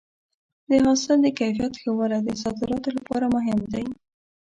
د حاصل د کیفیت ښه والی د صادراتو لپاره مهم دی.